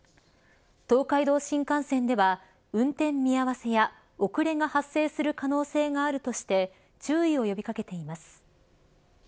東海道新幹線では運転見合わせや遅れが発生する可能性があるとして注意を呼び掛けています。